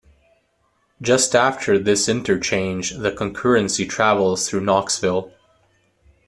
Just after this interchange, the concurrency travels through Knoxville.